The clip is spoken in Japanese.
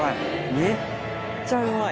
めっちゃうまい！